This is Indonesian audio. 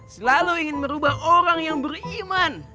selalu ingin merubah orang yang beriman